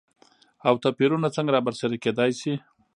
او توپېرونه څنګه رابرسيره کېداي شي؟